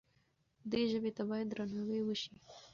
دې ژبې ته باید درناوی وشي.